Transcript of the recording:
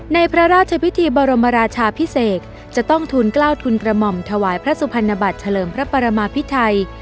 ในพระราชพิธีบรมราชาพิเศษจะต้องทูลกล้าวทุนกระหม่อมถวายพระสุพรรณบัตรเฉลิมพระปรมาพิไทย